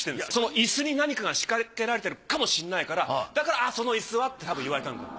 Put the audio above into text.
イスに何かがしかけられてるかもしれないからだから「そのイスは」ってたぶん言われたんだと思う。